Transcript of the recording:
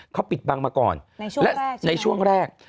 เขาปิดบังมาก่อนและในช่วงแรก